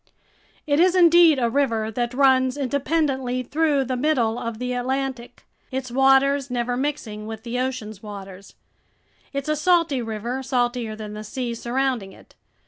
It is indeed a river that runs independently through the middle of the Atlantic, its waters never mixing with the ocean's waters. It's a salty river, saltier than the sea surrounding it.